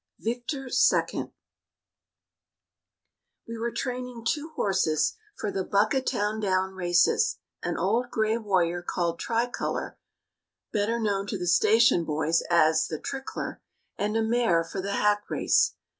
VICTOR SECOND We were training two horses for the Buckatowndown races an old grey warrior called Tricolor better known to the station boys as The Trickler and a mare for the hack race.